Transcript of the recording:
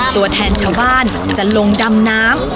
ตัวแทนชาวบ้านจะลงดำน้ำ